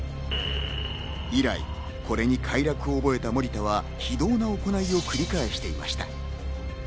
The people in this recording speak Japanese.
以来これに快楽を覚えた森田は、非道な行いを繰り返していました。